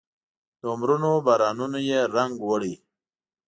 د عمرونو بارانونو یې رنګ وړی